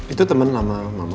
itu temen lama mama